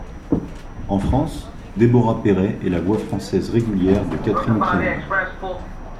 En France, Déborah Perret est la voix française régulière de Catherine Keener.